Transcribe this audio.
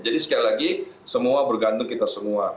jadi sekali lagi semua bergantung pada kita semua